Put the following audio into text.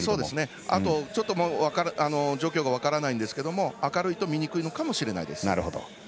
あと、状況が分からないんですけれども明るいと見にくいのかもしれないです。